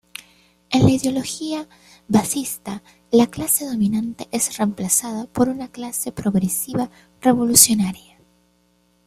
En la ideología baazista, la clase dominante es reemplazada por una clase progresiva revolucionaria.